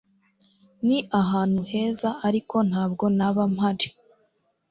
Ni ahantu heza, ariko ntabwo naba mpari